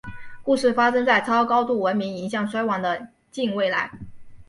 故事发生在超高度文明迎向衰亡的近未来。